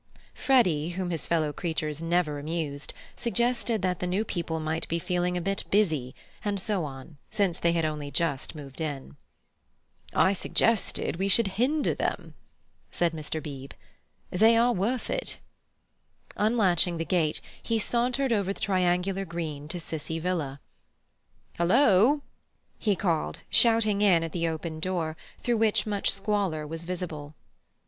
Freddy, whom his fellow creatures never amused, suggested that the new people might be feeling a bit busy, and so on, since they had only just moved in. "I suggested we should hinder them," said Mr. Beebe. "They are worth it." Unlatching the gate, he sauntered over the triangular green to Cissie Villa. "Hullo!" he cried, shouting in at the open door, through which much squalor was visible.